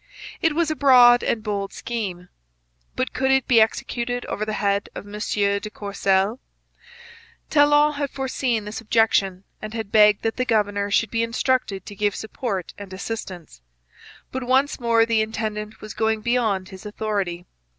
It was a broad and bold scheme. But could it be executed over the head of M. de Courcelle? Talon had foreseen this objection and had begged that the governor should be instructed to give support and assistance. But once more the intendant was going beyond his authority.